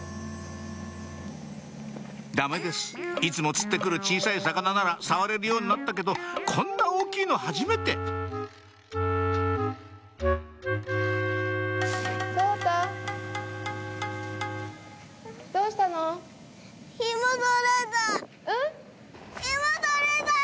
ダメですいつも釣って来る小さい魚なら触れるようになったけどこんな大きいのはじめてん？